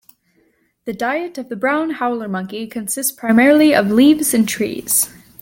The diet of the brown howler monkey consists primarily of leaves and trees.